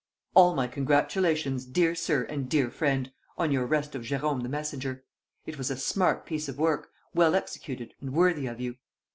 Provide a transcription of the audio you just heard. _ "All my congratulations, dear sir and dear friend, on your arrest of Jérôme the messenger. It was a smart piece of work, well executed and worthy of you.